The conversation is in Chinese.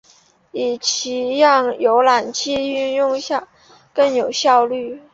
以期让浏览器运行更有效率。